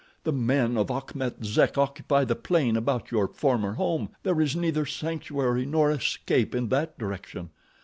The men of Achmet Zek occupy the plain about your former home—there is neither sanctuary nor escape in that direction.